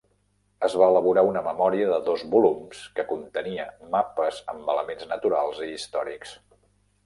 Es va elaborar una memòria de dos volums que contenia mapes amb elements naturals i històrics.